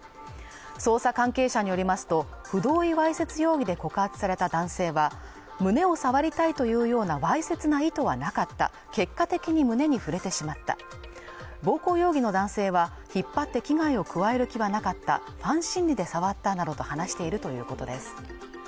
捜査関係者によりますと不同意わいせつ容疑で告発された男性は胸を触りたいというようなわいせつな意図はなかった結果的に胸に触れてしまった暴行容疑の男性は引っ張って危害を加える気はなかったファン心理で触ったなどと話しているということです